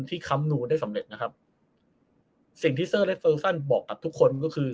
ค้ำนูนได้สำเร็จนะครับสิ่งที่เซอร์เล็กเฟิลซันบอกกับทุกคนก็คือ